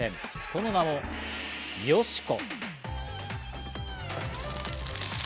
その名もよしこ。